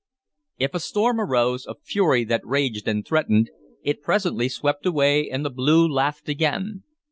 If a storm arose, a fury that raged and threatened, it presently swept away, and the blue laughed again.